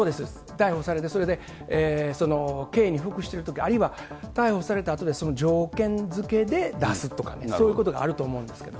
逮捕されて、それで刑に服してるとき、あるいは、逮捕されたあとで、その条件付けで出すとかね、そういうことがあると思うんですけど。